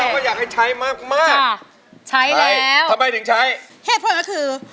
โอ้โหเราก็อยากให้ใช้มาใช้แล้วทำไมถึงใช้เหตุผลก็คือ